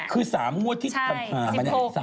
คือ๓งวดที่พับไปนะ